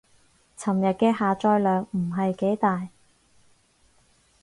尋日嘅下載量唔係幾大